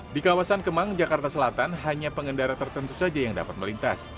di kawasan kemang jakarta selatan hanya pengendara tertentu saja yang dapat melintas